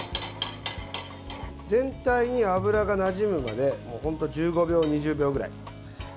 全体に油がなじむまで本当、１５秒、２０秒くらい。